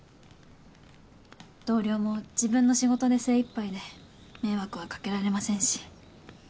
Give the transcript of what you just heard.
同僚も自分の仕事で精いっぱいで迷惑はかけられませんし。